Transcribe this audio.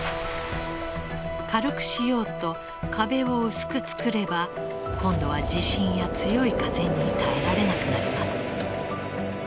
軽くしようと壁を薄く作れば今度は地震や強い風に耐えられなくなります。